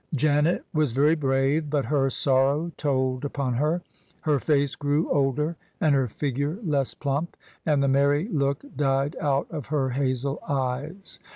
Janet was very brave, but her sorrow told upon her: her face grew older and her figure less pliunp, and the merry look died out of her hazel eyes.